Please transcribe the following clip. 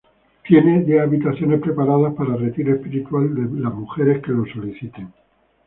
Tiene diez habitaciones preparadas para retiro espiritual de mujeres que lo soliciten.